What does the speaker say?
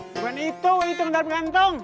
bukan itu itu yang ada di kantong